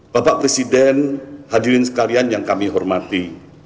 bapak presiden hadirin sekalian yang kami hormati